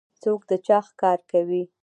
څوک د چا ښکار کوي؟